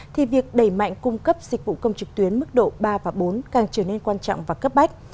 thì việc đẩy mạnh cung cấp dịch vụ công trực tuyến mức độ ba và bốn càng trở nên quan trọng và cấp bách